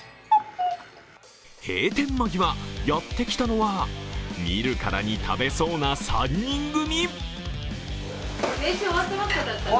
閉店間際、やってきたのは見るからに食べそうな３人組。